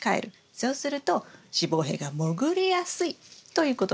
そうすると子房柄がもぐりやすいということなんです。